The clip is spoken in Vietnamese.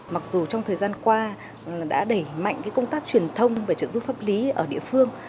mặc dù trong thời gian qua đã đẩy mạnh công tác truyền thông về trợ giúp pháp lý ở địa phương